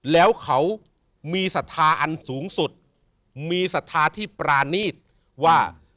แล้วเขามีศรัทธาอันสูงสุดมีศรัทธาที่ปรานีตว่า